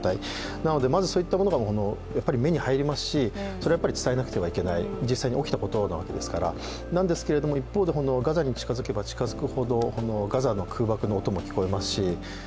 なのでまずそういったものがやっぱり目に入りますしそれは伝えなくてはいけない、実際に起きたことなわけですからなんですけれども一方でガザに近づけば近づくほどガザの空爆の音も聞こえますし